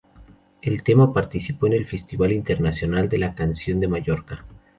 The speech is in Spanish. El tema participó en el Festival Internacional de la Canción de Mallorca.